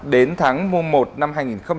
đến tháng một năm hai nghìn một mươi chín